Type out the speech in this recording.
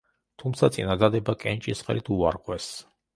თუმცა წინადადება კენჭისყრით უარყვეს.